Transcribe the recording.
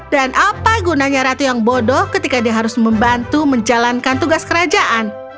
dan apa gunanya ratu yang bodoh ketika dia harus membantu menjalankan tugas kerajaan